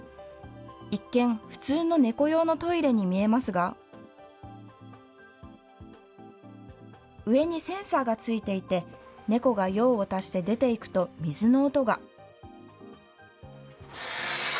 一見、普通の猫用のトイレに見えますが、上にセンサーが付いていて、猫が用を足して出ていくと水の音が。